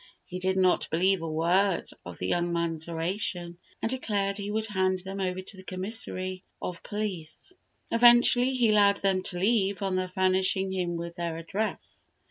He did not believe a word of the young man's oration, and declared he would hand them over to the commissary of police. Eventually he allowed them to leave on their furnishing him with their address.